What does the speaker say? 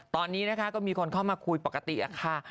ตอนนี้นะคะก็มีคนเข้ามาคุยปกติค่ะ